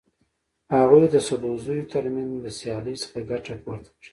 هغوی د سدوزیو تر منځ د سیالۍ څخه ګټه پورته کړه.